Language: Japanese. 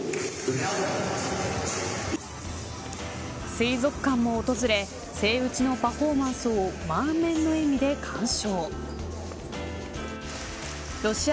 水族館も訪れセイウチのパフォーマンスを満面の笑みで鑑賞。